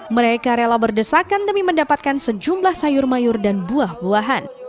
mereka rela berdesakan demi mendapatkan sejumlah sayur mayur dan buah buahan